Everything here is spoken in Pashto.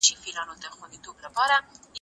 وارثانو ولي پر ښځو فشار راوړی؟